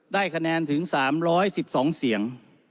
ได้คะแนนถึง๓๑๒เสียง